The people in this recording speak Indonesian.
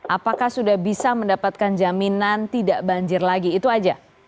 apakah sudah bisa mendapatkan jaminan tidak banjir lagi itu aja